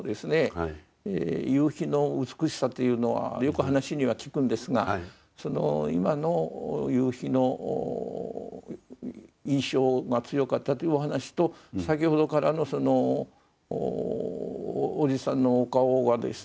夕日の美しさというのはよく話には聞くんですがその今の夕日の印象が強かったというお話と先ほどからのそのおじさんのお顔がですね